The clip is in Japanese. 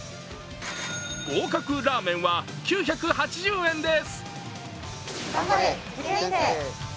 合格ラーメンは９８０円です。